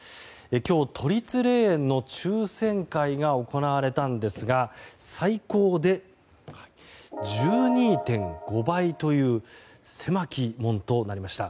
今日、都立霊園の抽選会が行われたんですが最高で１２．５倍という狭き門となりました。